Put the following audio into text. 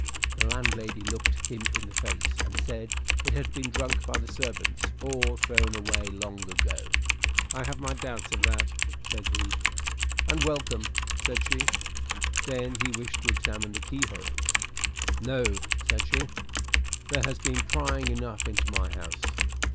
The landlady looked him in the face, and said it had been drunk by the servants or thrown away long ago. "I have my doubts of that," said he. "And welcome," said she. Then he wished to examine the keyholes. "No," said she; "there has been prying enough into my house."